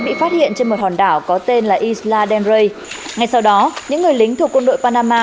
bị phát hiện trên một hòn đảo có tên là isla danrey ngay sau đó những người lính thuộc quân đội panama